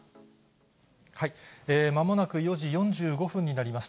まもなく４時４５分になります。